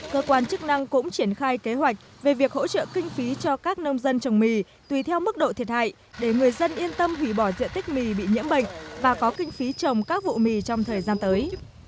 cơ quan chức năng cũng triển khai kế hoạch về việc hỗ trợ kinh phí cho các nông dân trồng mì tùy theo mức độ thiệt hại để người dân yên tâm hủy bỏ diện tích mì bị nhiễm bệnh và có kinh phí trồng các vụ mì trong thời gian tới